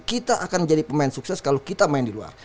kita akan jadi pemain sukses kalau kita main di luar